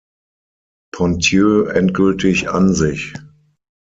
Ponthieu endgültig an sich.